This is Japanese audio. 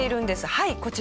はいこちら。